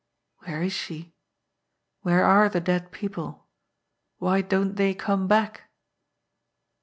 Where is she? Where are the dead people ? Why don't they come back